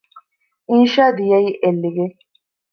އިންޝާ ދިޔައީ އެއްލިގެން